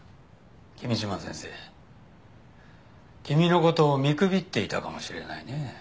君嶋先生君の事を見くびっていたかもしれないね。